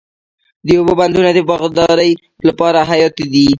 د اوبو بندونه د باغدارۍ لپاره حیاتي دي.